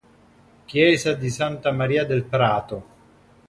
Chiesa di Santa Maria del Prato